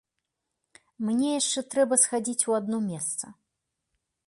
Мне яшчэ трэба схадзіць у адно месца.